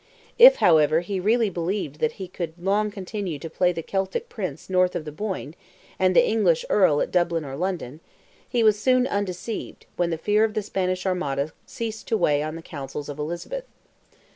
If, however, he really believed that he could long continue to play the Celtic Prince north of the Boyne, and the English Earl at Dublin or London, he was soon undeceived when the fear of the Spanish Armada ceased to weigh on the Councils of Elizabeth.